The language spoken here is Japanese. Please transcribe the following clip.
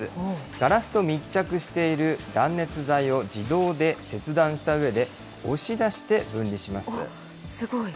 ガラスと密着している断熱材を自動で切断したうえで、押し出しておっ、すごい。